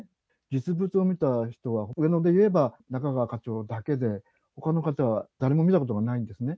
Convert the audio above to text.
実物を見た人は、上野でいえば中川課長だけで、ほかの方は誰も見たことがないんですね。